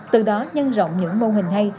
từ đó nhân rộng những mô hình hay